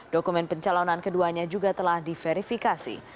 dokumen pencalonan keduanya juga telah diverifikasi